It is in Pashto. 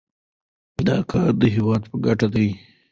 دا کار د هیواد په ګټه دی.